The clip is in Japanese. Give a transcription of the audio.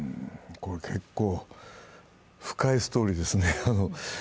結構、深いストーリーですね。